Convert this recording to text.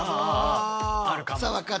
あるかも。